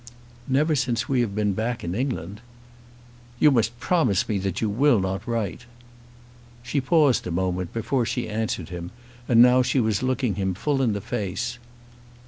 "Never since we have been back in England." "You must promise me that you will not write." She paused a moment before she answered him, and now she was looking him full in the face.